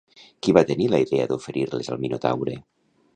Qui va tenir la idea d'oferir-les al Minotaure?